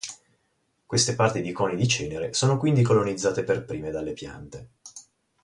Queste parti di coni di cenere sono quindi colonizzate per prime dalle piante.